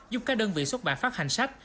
giúp các đơn vị xuất bản phát hành sách